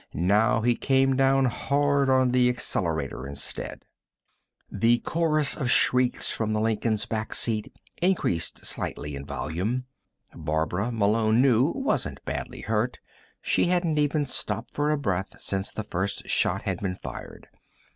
Now he came down hard on the accelerator instead. The chorus of shrieks from the Lincoln's back seat increased slightly in volume. Barbara, Malone knew, wasn't badly hurt; she hadn't even stopped for breath since the first shot had been fired.